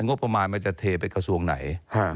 งบประมาณมันจะเทไปกระทรวงไหน